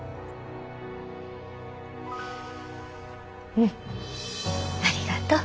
うんありがとう。